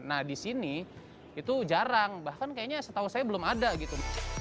nah di sini itu jarang bahkan kayaknya setahu saya belum ada gitu